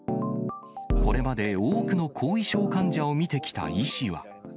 これまで多くの後遺症患者を診てきた医師は。